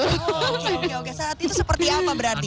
oke saat itu seperti apa berarti